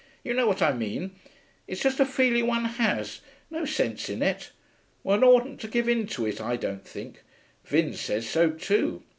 You know what I mean; it's just a feeling one has, no sense in it. One oughtn't to give in to it, I don't think; Vin says so too.